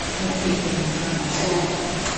دا پریکړه ناکامه شوه.